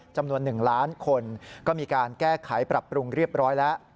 จำนวน๑ล้านคนก็มีการแก้ไขปรับปรุงเรียบร้อยแล้ว